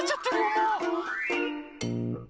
もう！